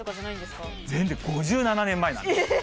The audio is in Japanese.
全然、５７年前なんです。